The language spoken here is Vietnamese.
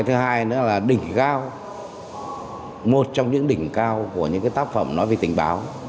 thứ hai nữa là đỉnh cao một trong những đỉnh cao của những tác phẩm nói về tình báo